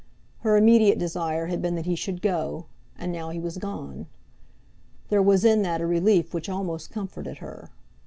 Her immediate desire had been that he should go, and now he was gone. There was in that a relief which almost comforted her.